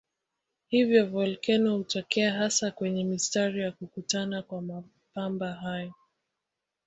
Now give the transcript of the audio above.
Hivyo volkeno hutokea hasa kwenye mistari ya kukutana kwa mabamba hayo.